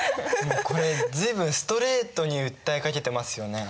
これ随分ストレートに訴えかけてますよね。